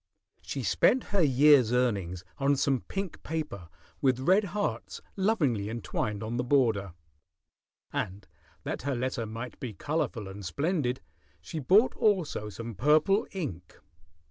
She spent her year's earnings on some pink paper with red hearts lovingly entwined on the border, and that her letter might be colorful and splendid, she bought also some purple ink.